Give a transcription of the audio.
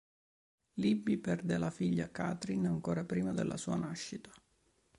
Libby perde la figlia Catherine ancora prima della sua nascita.